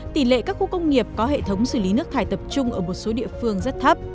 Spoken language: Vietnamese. tỷ lệ các khu công nghiệp có hệ thống xử lý nước thải tập trung ở một số địa phương rất thấp